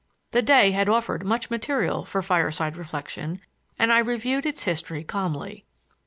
The day had offered much material for fireside reflection, and I reviewed its history calmly.